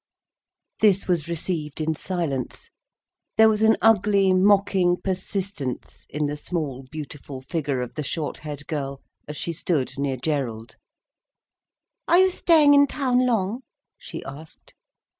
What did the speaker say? This was received in silence. There was an ugly, mocking persistence in the small, beautiful figure of the short haired girl, as she stood near Gerald. "Are you staying in town long?" she asked.